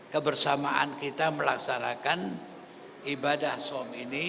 kebersamaan kita melaksanakan ibadah som ini